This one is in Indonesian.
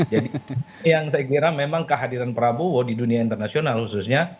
jadi yang saya kira memang kehadiran prabowo di dunia internasional khususnya